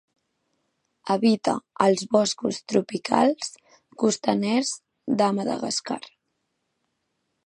Habita als boscos tropicals costaners de Madagascar.